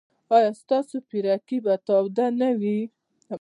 ایا ستاسو پیرکي به تاوده نه وي؟